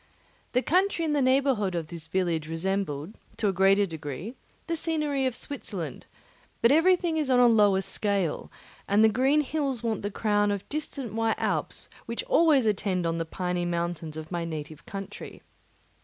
The country in the neighbourhood of this village resembled, to a greater degree, the scenery of Switzerland; but everything is on a lower scale, and the green hills want the crown of distant white Alps which always attend on the piny mountains of my native country.